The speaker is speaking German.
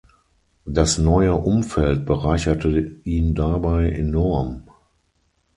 Das Neue Umfeld bereicherte ihn dabei enorm.